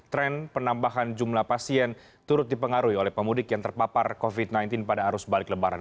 tren penambahan jumlah pasien turut dipengaruhi oleh pemudik yang terpapar covid sembilan belas pada arus balik lebaran